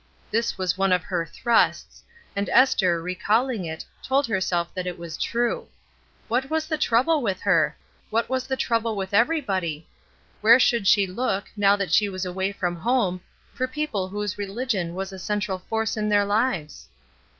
This was one of her thrusts, and Esther, recalling it, told herself that it was true. What was the trouble with her? What was the trouble with everybody? Where should she look, now that she was away from home, for people whose religion was a central force in their lives?